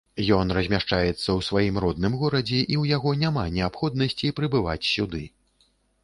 Ён размяшчаецца ў сваім родным горадзе і ў яго няма неабходнасці, прыбываць сюды.